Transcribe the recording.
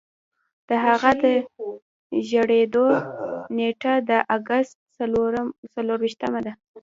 د هغه د زیږیدو نیټه د اګست څلور ویشتمه ده.